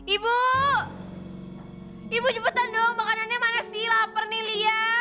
ibu ibu cepetan dong makanannya mana sih lapar nih lia